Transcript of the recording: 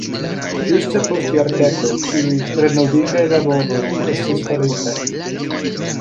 Ĝuste post jardeko ĉiuj renovigaj laboroj estis faritaj.